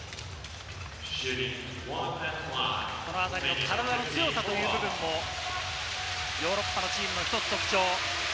このあたりの体の強さという部分もヨーロッパのチームの特徴です。